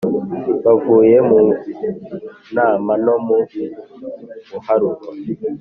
bavuye mu nama no mu muharuro,